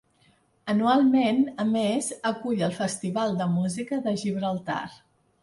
Anualment, a més, acull el Festival de Música de Gibraltar.